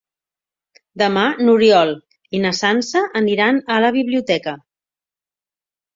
Demà n'Oriol i na Sança aniran a la biblioteca.